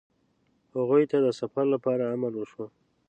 هغوی ته د سفر لپاره امر وشو.